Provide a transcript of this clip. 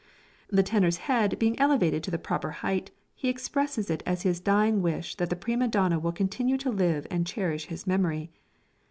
The tenor's head being elevated to the proper height, he expresses it as his dying wish that the prima donna will continue to live and cherish his memory.